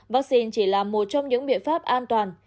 vắc xin chỉ là một trong những biện pháp an toàn